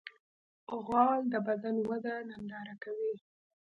غول د بدن وده ننداره کوي.